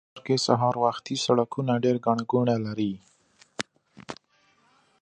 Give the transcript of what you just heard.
په ښار کې سهار وختي سړکونه ډېر ګڼه ګوڼه لري